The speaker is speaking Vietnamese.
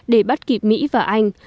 để bắt kịp mỹ và anh